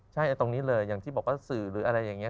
ใช่ตรงนี้เลยอย่างที่บอกว่าสื่อหรืออะไรอย่างนี้